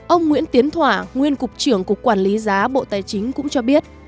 ông nguyễn tiến thỏa nguyên cục trưởng cục quản lý giá bộ tài chính cũng cho biết